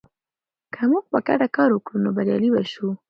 که موږ په ګډه کار وکړو، نو بریالي به شو.